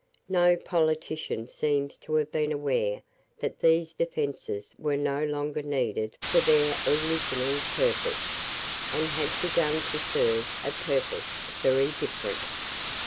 No politician seems to have been aware that these defences were no longer needed for their original purpose, and had begun to serve a purpose very different.